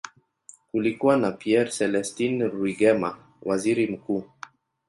Kulikuwa na Pierre Celestin Rwigema, waziri mkuu.